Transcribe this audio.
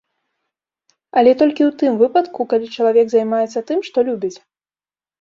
Але толькі ў тым выпадку, калі чалавек займаецца тым, што любіць.